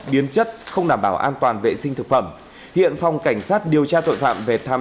biến chất không đảm bảo an toàn vệ sinh thực phẩm hiện phòng cảnh sát điều tra tội phạm về tham